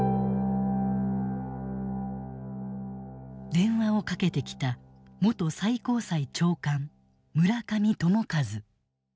電話をかけてきた元最高裁長官村上朝一。